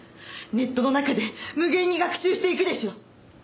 ネットの中で無限に学習していくでしょう。